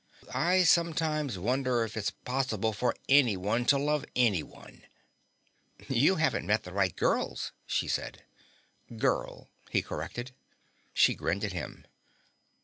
"I sometimes wonder if it's possible for anyone to love anyone." "You haven't met the right girls," she said. "Girl," he corrected. She grinned at him.